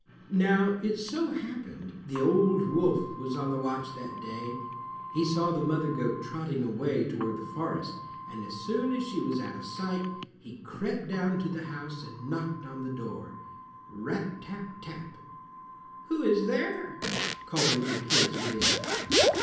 Now it so happened the old wolf was on the watch that day. He saw the mother goat trotting away toward the forest, and as soon as she was out of sight, he crept down to the house and knocked at the door—rap tap tap! "Who is there?" called the little kids within.